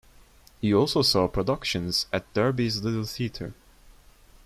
He also saw productions at Derby's Little Theatre.